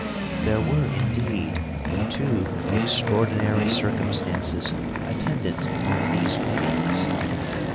'There were, indeed, two extraordinary circumstances attendant on these meetings.